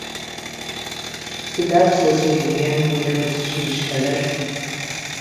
Сыда пшъэшъэжъыем унэм щишӏэрэр?